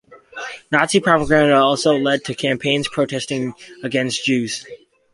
Nazi propaganda also led to campaigns protesting against Jews.